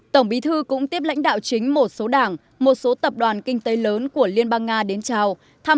tổng bí thư cũng tiếp lãnh đạo chính một số đảng một số tập đoàn kinh tế lớn của liên bang nga đến chào